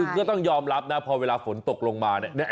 ก็ต้องยอมรับนะพอเวลาฝนตกลงมาเนี่ย